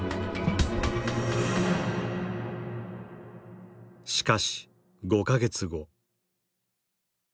しかし５か月後。